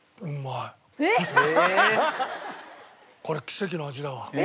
これ奇跡の味だわ。